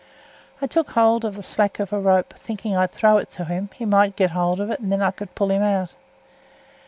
I took hold of the slack of a rope, thinking I'd throw it to him; he might get hold of it, and then I could pull him out.